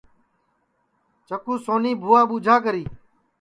چکُو سونی بُھوا ٻوجھا کری